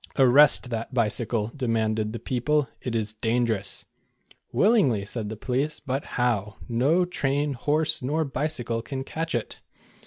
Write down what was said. "Arrest that bicycle," demanded the people; "it is dangerous." "Willingly," said the police, "but how? No train, horse, nor bicycle can catch it."